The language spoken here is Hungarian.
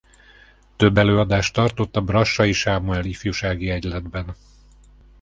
Több előadást tartott a Brassai Sámuel Ifjúsági Egyletben.